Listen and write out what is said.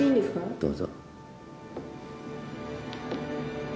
どうぞ。